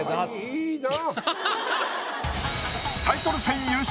いいな。